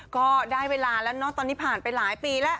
ก็ได้เวลาแล้วเนอะตอนนี้ผ่านไปหลายปีแล้ว